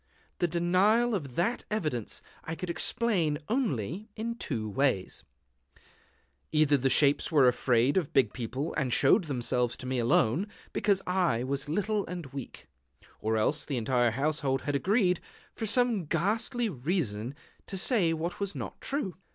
The denial of that evidence I could explain only in two ways: Either the shapes were afraid of big people, and showed themselves to me alone, because I was little and weak; or else the entire household had agreed, for some ghastly reason, to say what was not true.